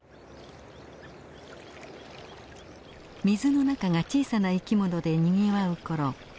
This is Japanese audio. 水の中が小さな生きものでにぎわうころ